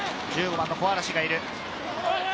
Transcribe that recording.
１５番の小嵐がいる。